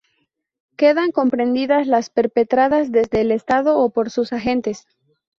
Quedan comprendidas las perpetradas desde el Estado o por sus agentes.